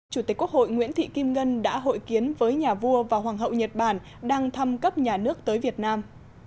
chủ tịch quốc hội nguyễn thị kim ngân đã hội kiến với nhà vua và hoàng hậu nhật bản đang thăm cấp nhà nước tới việt nam